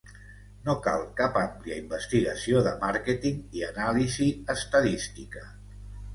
No cal cap àmplia investigació de màrqueting i anàlisi estadística.